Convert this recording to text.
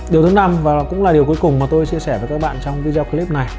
điều thứ năm và cũng là điều cuối cùng mà tôi chia sẻ với các bạn trong video clip này